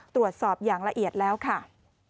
ตรวจสอบอย่างละเอียดแล้วค่ะ